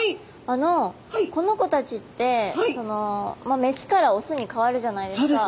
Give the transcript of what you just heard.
あのこの子たちってメスからオスに変わるじゃないですか。